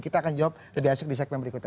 kita akan jawab di segmen berikutnya